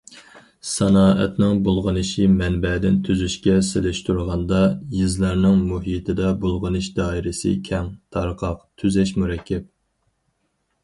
سانائەتنىڭ بۇلغىشىنى مەنبەدىن تۈزەشكە سېلىشتۇرغاندا، يېزىلارنىڭ مۇھىتىدا بۇلغىنىش دائىرىسى كەڭ، تارقاق، تۈزەش مۇرەككەپ.